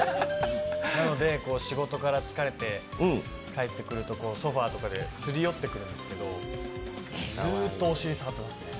なので、仕事から疲れて帰ってくると、ソファーとかですり寄ってくるんですけど、ずーっとお尻、触ってますね。